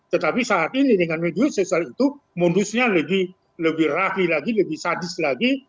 tetapi saat ini dengan media sosial itu modusnya lebih rafi lagi lebih sadis lagi